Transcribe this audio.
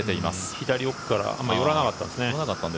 左奥からあんまり寄らなかったんですね。